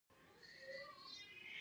او د ملا دغه ځائے له دې يخ ټکور ورکړي -